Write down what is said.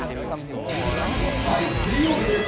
水曜日です。